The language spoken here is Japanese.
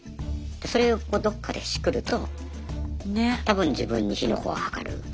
それをどっかでしくると多分自分に火の粉がかかる。